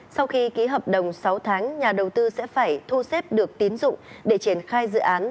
sau khi ký hợp đồng sáu tháng nhà đầu tư sẽ phải thu xếp được tín dụng để triển khai dự án